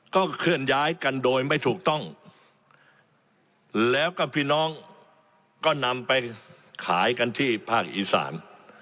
ก็เคลื่อนย้ายกันโดยไม่ถูกต้องแล้วก็พี่น้องก็นำไปขายกันที่ภาคอีสาน